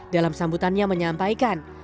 dalam sambutannya menyampaikan